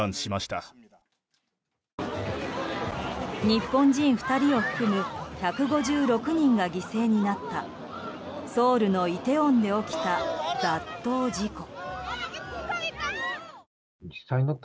日本人２人を含む１５６人が犠牲になったソウルのイテウォンで起きた雑踏事故。